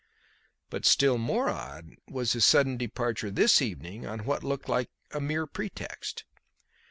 But still more odd was his sudden departure this evening on what looked like a mere pretext.